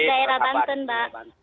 daerah tanten mbak